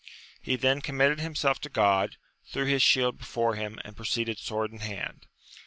He then commended himself to God, threw his shield before him, and proceeded sword in hand.